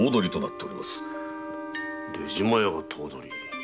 出島屋が頭取。